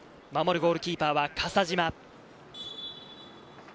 守るゴールキーパーは笠島。